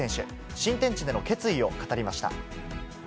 新天地での決意を語りました。